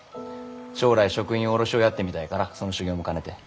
将来食品卸をやってみたいからその修業も兼ねて。